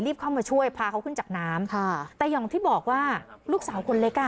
เข้ามาช่วยพาเขาขึ้นจากน้ำค่ะแต่อย่างที่บอกว่าลูกสาวคนเล็กอ่ะ